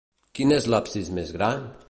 Quin és l'absis més gran?